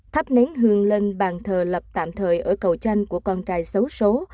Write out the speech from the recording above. thắp nén hương lên bàn thờ lập tạm thời ở cầu chanh của con trai xấu xố